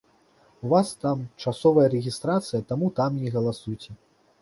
У вас там часовая рэгістрацыя, таму там і галасуйце.